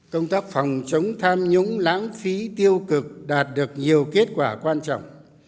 công tác phòng chống tham nhũng lãng phí tiêu cực đạt được nhiều kết quả quan trọng